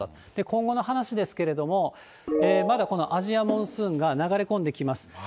今後の話ですけれども、まだこのアジアモンスーンが流れ込んできます。